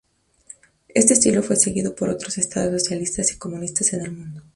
Este estilo fue seguido por otros estados socialistas y comunistas en el mundo.